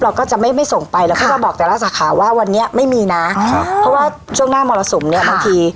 เราก็จะไม่ไม่ส่งไปเราก็มาบอกแต่ละสาขาว่าวันนี้ไม่มีนะเพราะว่าช่วงหน้ามรสุมเนี้ยบางที